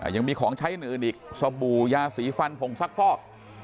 ยังมีของใช้อื่นอีกสบู่ยาสีฟันผงซักฟอก